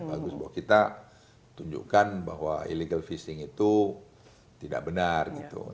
bagus bahwa kita tunjukkan bahwa illegal fishing itu tidak benar gitu